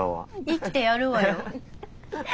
生きてやるわよ。